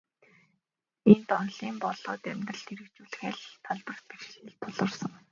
Энд, онолын болоод амьдралд хэрэгжүүлэх аль ч талбарт бэрхшээл тулгарсан.